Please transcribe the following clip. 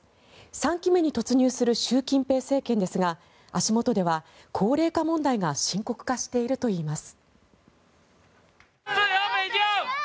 ３期目に突入する習近平政権ですが足元では高齢化問題が深刻化しているといいます。